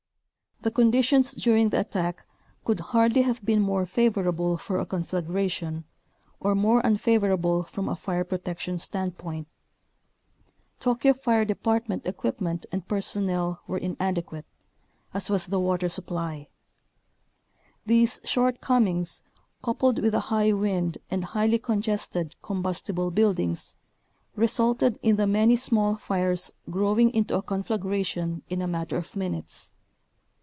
The conditions during the attack could hardly have been more favorable for a conflagration, or more unfavorable from a fire protection standpoint. Tokyo fire de partment equipment and personnel were in adequate, as was the water supply. These shortcomings, coupled with a high wind and highly congested, combustible buildings, re sulted in the many small fires growing into a conflagration in a matter of minutes.